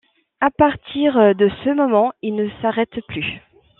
À partir de ce moment, il ne s'arrête plus.